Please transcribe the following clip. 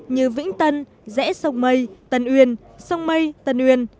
như vĩnh tân rẽ sông mây tân uyên sông mây tân uyên